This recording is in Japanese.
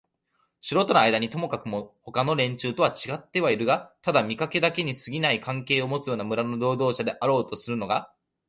城とのあいだにともかくもほかの連中とはちがってはいるがただ見かけだけにすぎない関係をもつような村の労働者であろうとするのか、